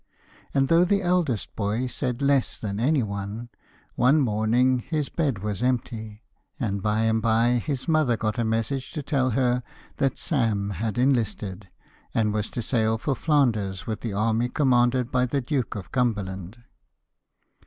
and, though the eldest boy said less than any, one morning his bed was empty, and by and bye his mother got a message to tell her that Sam had enlisted, and was to sail for Flanders with the army commanded by the Duke of Cumberland.